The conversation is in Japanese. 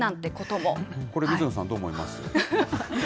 これ水野さん、どう思います